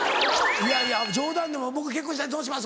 いやいや冗談でも「僕結婚したらどうします？」。